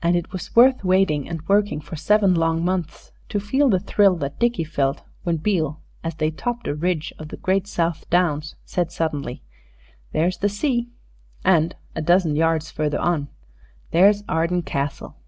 And it was worth waiting and working for seven long months, to feel the thrill that Dickie felt when Beale, as they topped a ridge of the great South Downs, said suddenly, "There's the sea," and, a dozen yards further on, "There's Arden Castle."